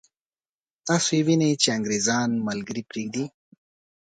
تاسو یې وینئ چې انګرېزان ملګري پرېږدي.